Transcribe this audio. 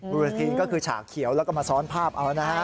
ดูสินก็คือฉากเขียวแล้วก็มาซ้อนภาพเอานะฮะ